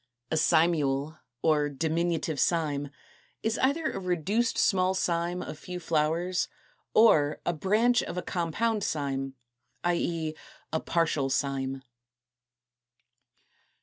224. =A Cymule= (or diminutive cyme) is either a reduced small cyme of few flowers, or a branch of a compound cyme, i. e. a partial cyme.